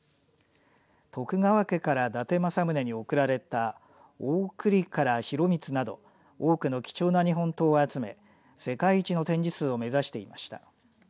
徳川家から伊達政宗に贈られた大倶利伽羅広光など多くの貴重な日本刀を集め世界一の展示数を目指していました。